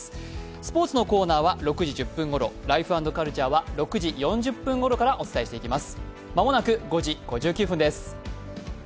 スポーツのコーナーは６時１０分ごろ、「ライフ＆カルチャー」は６時４０分ごろからお伝えしていきます。